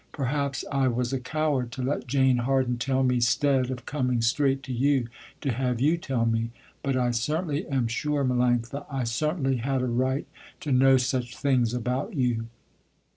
Perhaps I was a coward to let Jane Harden tell me 'stead of coming straight to you, to have you tell me, but I certainly am sure, Melanctha, I certainly had a right to know such things about you.